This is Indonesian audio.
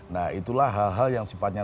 nah itulah hal hal yang sifatnya